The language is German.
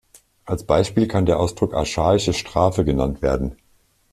Als Beispiel kann der Ausdruck „archaische Strafe“ genannt werden.